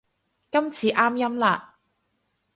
今次啱音啦